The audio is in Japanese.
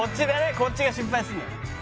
こっちが失敗するのか。